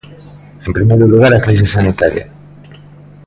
En primeiro lugar, a crise sanitaria.